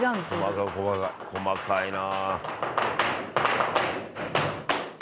「細かい細かい細かいな」